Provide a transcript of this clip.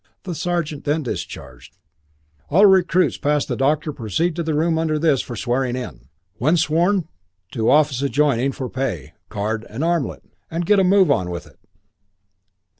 The sergeant then discharged: "All recruits past the doctor proceed to the room under this for swearing in. When sworn, to office adjoining for pay, card and armlet. And get a move on with it!"